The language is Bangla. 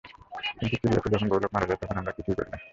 কিন্তু সিরিয়াতে যখন বহু লোক মারা যায়, তখন আমরা কিছুই করি না।